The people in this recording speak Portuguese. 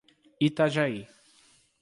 Itajaí